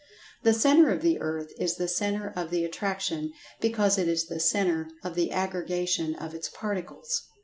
The centre of the Earth is the Centre of the Attraction, because it is the centre of the aggregation of its Particles.